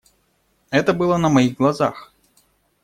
Это было на моих глазах.